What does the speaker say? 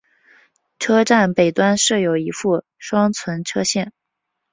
车站北端设有一副双存车线。